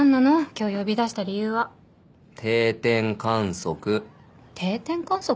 今日呼び出した理由は定点観測定点観測？